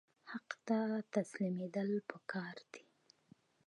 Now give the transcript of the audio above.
حق ته تسلیمیدل پکار دي